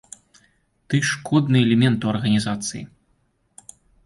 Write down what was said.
Ты шкодны элемент у арганізацыі.